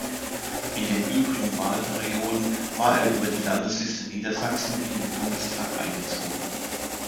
In den übrigen Wahlperioden war er über die Landesliste Niedersachsen in den Bundestag eingezogen.